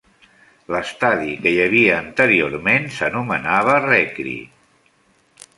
L'estadi que hi havia anteriorment s'anomenava Reckrie.